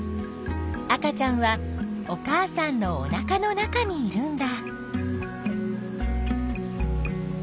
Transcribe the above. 赤ちゃんはお母さんのおなかの中にいるんだ。